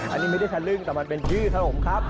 อันนี้ไม่ได้ทะลึ่งแต่มันเป็นชื่อถล่มครับ